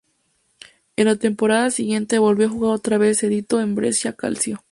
En la temporada siguiente volvió a jugar otra vez cedido en el Brescia Calcio.